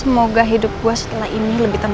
oke semoga hidup gue setelah ini lebih tenang